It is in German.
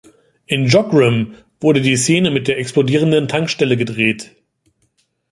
In Jockgrim wurde die Szene mit der explodierenden Tankstelle gedreht.